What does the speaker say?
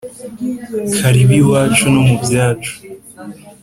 karibu iwacu no mu byacu